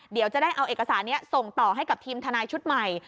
เดี๋ยวจะได้เอาเอกสารนี้ส่งต่อให้กับทีมทนายชุดใหม่